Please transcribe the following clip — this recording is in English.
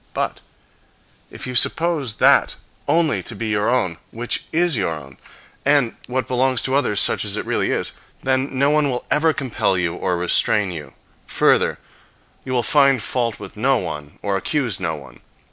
But if you suppose that only to be your own which is your own, and what belongs to others such as it really is, then no one will ever compel you or restrain you. Further, you will find fault with no one or accuse no one.